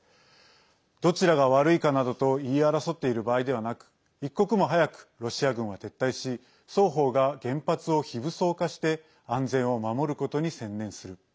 どちらが悪いかなどと言い争っている場合ではなく一刻も早くロシア軍は撤退し双方が原発を非武装化して安全を守ることに専念する。